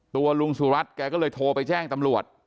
ตัวลุงสุรัตน์แกก็เลยโทรไปแจ้งตำรวจ